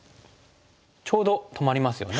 ちょうど止まりますよね。